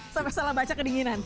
sampai salah baca kedinginan